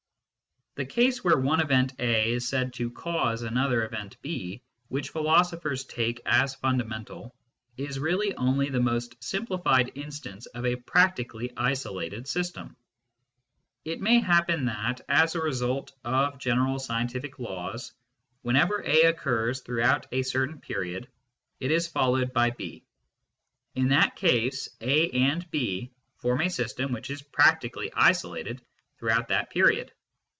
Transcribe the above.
The case where one event A is said to " cause " another event B, which philosophers take as fundamental, is really only the most simplified instance of a practically isolated system. It may happen that, as a result of general scientific laws, whenever A occurs throughout a certain period, it is followed by B ; in that case, A and B form a system which is practically isolated throughout that period.